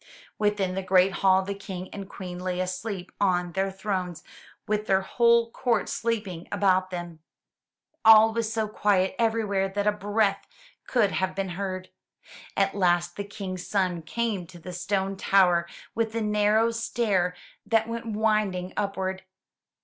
Within the great hall, the King and Queen lay asleep on their thrones with their whole court sleeping about them. All was so quiet everywhere that a breath could have been heard. At last the King's son came to the stone tower with the narrow stair that went winding upward.